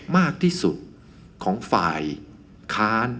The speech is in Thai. มากที่สุดของฝ่ายค้าน